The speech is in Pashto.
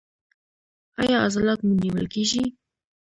ایا عضلات مو نیول کیږي؟